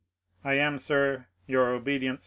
I am, sir, your obdt.